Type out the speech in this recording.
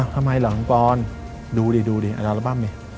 ทำไมเหรอน้องกรรมดูดิดูดิเอาระบบไหม